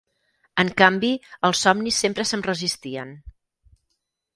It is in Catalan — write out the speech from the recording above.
En canvi els somnis sempre se'm resistien.